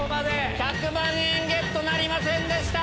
１００万円ゲットなりませんでした。